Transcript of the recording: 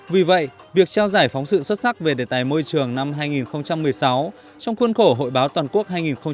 vì vậy việc trao giải phóng sự xuất sắc về đề tài môi trường năm hai nghìn một mươi sáu trong khuôn khổ hội báo toàn quốc hai nghìn một mươi chín